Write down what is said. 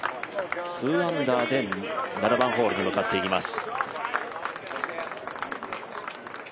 ２アンダーで７番ホールに向かっていきます。